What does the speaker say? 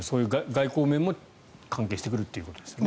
外交面も関係してくるということですね。